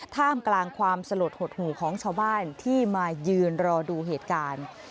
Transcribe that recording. ท่ามกลางความสลดหดหู่ของชาวบ้านที่มายืนรอดูเหตุการณ์